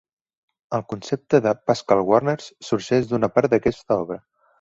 El concepte de "Pascal's Wager" sorgeix d'una part d'aquesta obra.